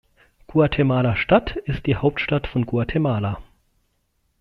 Guatemala-Stadt ist die Hauptstadt von Guatemala.